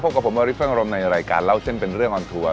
พบกับผมบอริฟต์ฝ่างรมในรายการเล่าเส้นเป็นเรื่องออนทัวร์